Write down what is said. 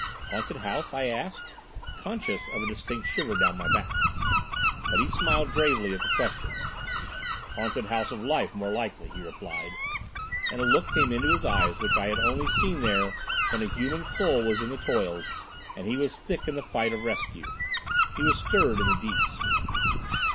"Haunted house?" I asked, conscious of a distinct shiver down my back. But he smiled gravely at the question. "Haunted House of Life more likely," he replied, and a look came into his eyes which I had only seen there when a human soul was in the toils and he was thick in the fight of rescue. He was stirred in the deeps.